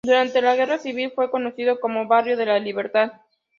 Durante la Guerra Civil fue conocido como Barrio de la Libertad.